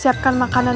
ya tu kami dinding